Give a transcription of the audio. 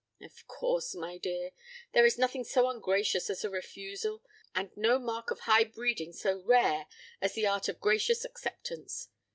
"Of course, my dear. There is nothing so ungracious as a refusal, and no mark of high breeding so rare as the art of gracious acceptance.